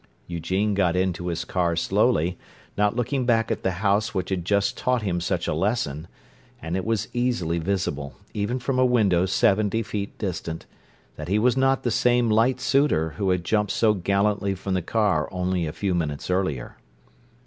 Eugene got into his car slowly, not looking back at the house which had just taught him such a lesson; and it was easily visible—even from a window seventy feet distant—that he was not the same light suitor who had jumped so gallantly from the car only a few minutes earlier.